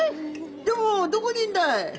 「でもどこにいるんだい？」